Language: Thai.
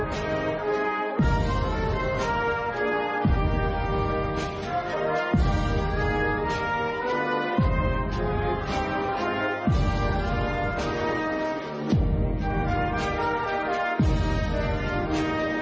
สวัสดีครับ